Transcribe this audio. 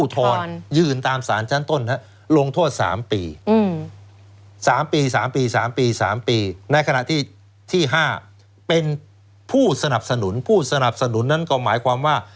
ในขณะที่ที่๕เป็นผู้สนับสนุนผู้สนับสนุนนั้นก็หมายความว่า